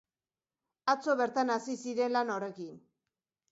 Atzo bertan hasi ziren lan horrekin.